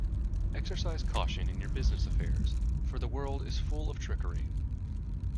Exercise caution in your business affairs, for the world is full of trickery.